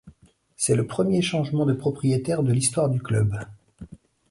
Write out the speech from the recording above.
C'est le premier changement de propriétaire de l'histoire du club.